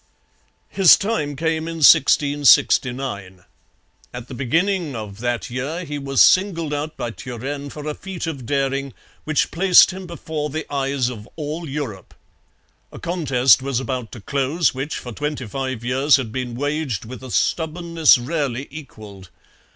His time came in 1669. At the beginning of that year he was singled out by Turenne for a feat of daring which placed him before the eyes of all Europe. A contest was about to close which for twenty five years had been waged with a stubbornness rarely equalled.